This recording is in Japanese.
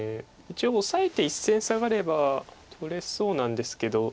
一応オサえて１線サガれば取れそうなんですけど。